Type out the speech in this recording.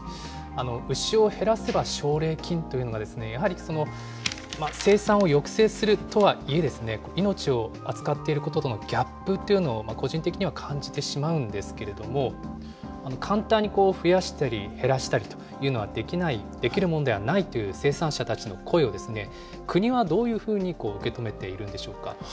牛を減らせば奨励金というのが、やはり生産を抑制するとはいえ、命を扱っていることとのギャップというのを、個人的には感じてしまうんですけれども、簡単に増やしたり、減らしたりというのはできない、できるもんではないという生産者たちの声を、国はどういうふうに受け止めているんでしょうか。